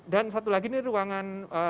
dan satu lagi ini ruangan